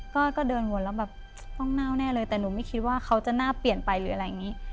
ก็เดินวนแล้วแบบห้องเน่าแน่เลยแต่หนูไม่คิดว่าเขาจะหน้าเปลี่ยนไปหรืออะไรอย่างนี้